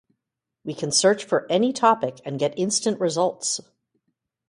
We can search for any topic and get instant results.